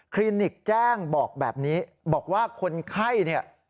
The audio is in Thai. ลินิกแจ้งบอกแบบนี้บอกว่าคนไข้เนี่ย